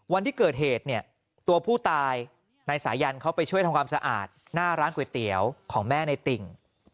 วันที่เกิดเหตุเนี่ยตัวผู้ตายนายสายันเขาไปช่วยทำความสะอาดหน้าร้านก๋วยเตี๋ยวของแม่ในติ่ง